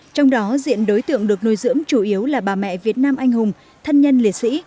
trong đó diện đối tượng được nuôi dưỡng chủ yếu là bà mẹ việt nam anh hùng thân nhân liệt sĩ